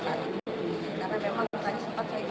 karena memang tadi sempat saya